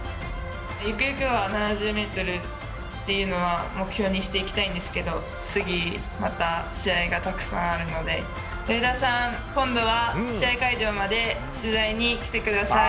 ゆくゆくは７０メートルっていうのは、目標にしていきたいんですけど、次、また試合がたくさんあるので、上田さん、今度は試合会場まで取材に来てください。